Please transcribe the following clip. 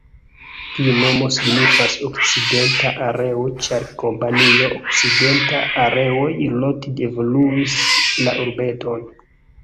Tiu nomo signifas: 'okcidenta areo', ĉar kompanio "Okcidenta Areoj Ltd" evoluigis la urbeton.